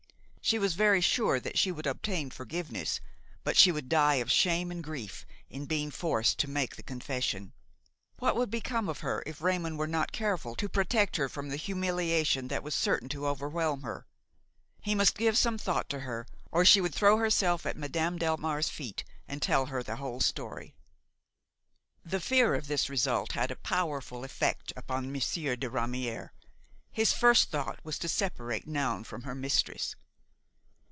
She was very sure that she would obtain forgiveness, but she would die of shame and grief in being forced to make the confession. What would become of her if Raymon were not careful to protect her from the humiliations that were certain to overwhelm her! He must give some thought to her, or she would throw herself at Madame Delmare's feet and tell her the whole story. The fear of this result had a powerful effect upon Monsieur de Ramière. His first thought was to separate Noun from her mistress.